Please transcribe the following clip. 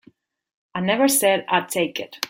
I never said I'd take it.